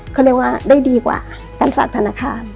เขาเรียกว่าได้ดีกว่าการฝากธนาคาร